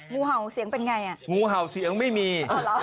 งูเห่าเสียงเป็นไงอ่ะงูเห่าเสียงไม่มี